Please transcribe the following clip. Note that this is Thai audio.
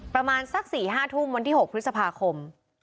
ประมาณสัก๔๕ทุ่มวันที่๖พฤษภาคม